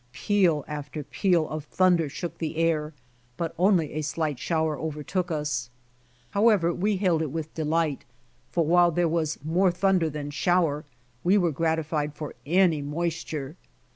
Peal after peal of thunder shook the air, but only a slight shower overtook us. How ever we hailed it witli delight, for while there w^as more thunder than shower, we were gratified for any moisture.